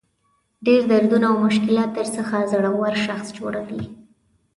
ډېر دردونه او مشکلات درڅخه زړور شخص جوړوي.